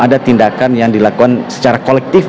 ada tindakan yang dilakukan secara kolektif